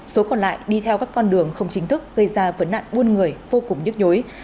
số còn lại đi theo các con đường không chính thức gây ra vấn nạn buôn người vô cùng nhức nhối